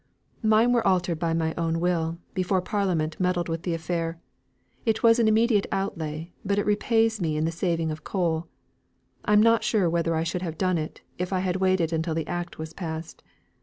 "Mine were altered by my own will, before parliament meddled with the affair. It was an immediate outlay, but it repays me in the saving of coal. I'm not sure whether I should have done it, if I had waited until the act was passed.